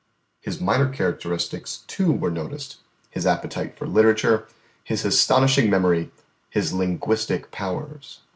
His minor characteristics, too, were noticed, his appetite for literature, his astonishing memory, his linguistic powers.